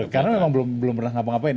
karena memang belum pernah ngapa ngapain